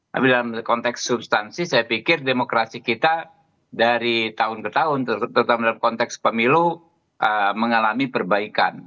tapi dalam konteks substansi saya pikir demokrasi kita dari tahun ke tahun tetap dalam konteks pemilu mengalami perbaikan